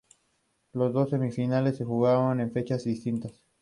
Las dos semifinales se jugaron en fechas distintas.